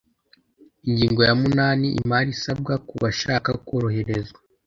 ingingo ya munani imari isabwa ku bashaka koroherezwa